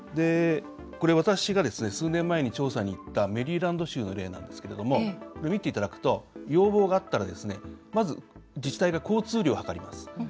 これ、私が数年前に調査に行ったメリーランド州の例なんですが見ていただくと、要望があったらまず、自治体が交通量を計ります。